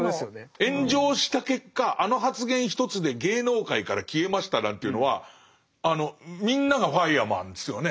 炎上した結果あの発言一つで芸能界から消えましたなんていうのはあのみんながファイアマンですよね。